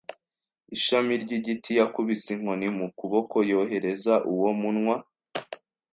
ishami ryigiti, yakubise inkoni mu kuboko, yohereza uwo munwa